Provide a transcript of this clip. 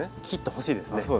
切ってほしいですね。